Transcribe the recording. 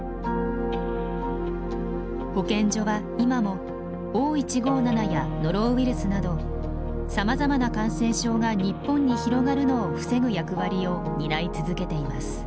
保健所は今もＯ１５７やノロウイルスなどさまざまな感染症が日本に広がるのを防ぐ役割を担い続けています。